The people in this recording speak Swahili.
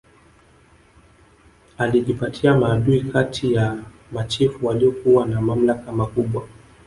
Alijipatia maadui kati ya machifu waliokuwa na mamlaka makubwa